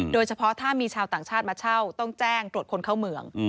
โดยเฉพาะถ้ามีชาวต่างชาติมาเช่าต้องแจ้งตรวจคนเข้าเมือง